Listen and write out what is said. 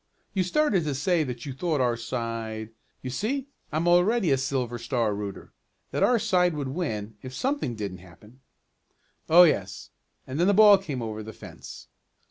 You started to say that you thought our side you see I'm already a Silver Star rooter that our side would win, if something didn't happen." "Oh, yes, and then that ball came over the fence.